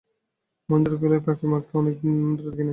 মহেন্দ্র কহিল, কাকীমাকে অনেক দিন দেখি নাই।